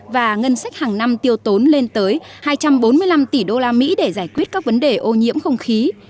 và ngân sách hàng năm tiêu tốn lên tới hai trăm bốn mươi năm tỷ đô la mỹ để giải quyết các vấn đề ô nhiễm không khí